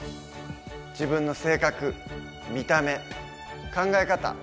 自分の性格見た目考え方